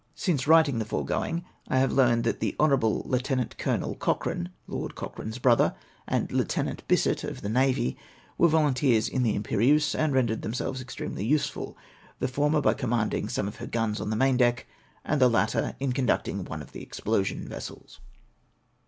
Since writing the foregoing, I have learned that the Hon. Lieut. Colonel Cochrane (Lord Cochrane's brother), and Lieut. Bisset, of the navy, were volunteers in the Imperieuse, and rendered themselves extremely useful, the former by com manding some of her guns on the main deck, and the latter in conducting one of the explosion vessels.